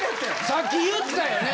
さっき言ったよね。